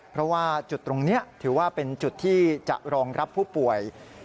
เพราะว่าจุดตรงนี้ถือว่าเป็นจุดที่จะรองรับผู้ป่วย